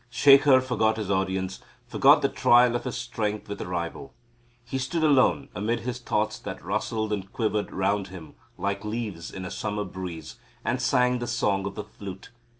Shekhar forgot his audience, forgot the trial of his strength with a rival. He stood alone amid his thoughts that rustled and quivered round him like leaves in a summer breeze, and sang the Song of the Flute.